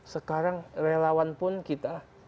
sekarang relawan pun kita